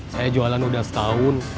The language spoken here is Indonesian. saya jualan udah setahun